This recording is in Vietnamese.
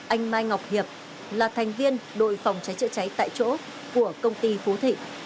anh mai ngọc hiệp là thành viên đội phòng cháy chữa cháy tại chỗ của công ty phú thị